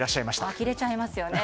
あきれちゃいますよね。